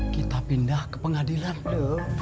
kita pindah ke pengadilan tuh